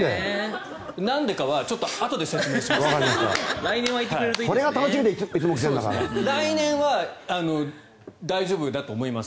なんでかはあとで説明します。